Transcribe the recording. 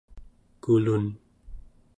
kulun